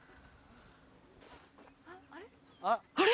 あれ？